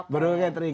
baru ke catering